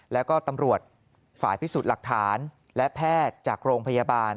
แล้วก็ตำรวจฝ่ายพิสูจน์หลักฐานและแพทย์จากโรงพยาบาล